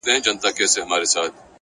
هره پوښتنه د کشف نوی سفر دی.!